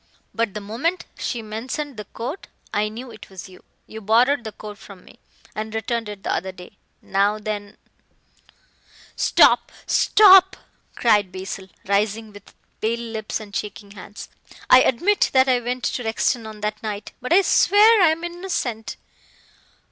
But the moment she mentioned the coat I knew it was you. You borrowed the coat from me, and returned it the other day. Now then " "Stop! stop!" cried Basil, rising with pale lips and shaking hands, "I admit that I went to Rexton on that night, but I swear I am innocent."